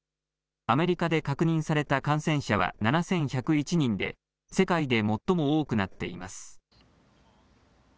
アメリカで確認された感染者は７１０１人で世界で最も多くなっています。